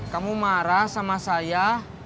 kamu marah sama saya